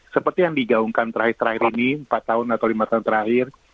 seperti yang digaungkan terakhir terakhir ini empat tahun atau lima tahun terakhir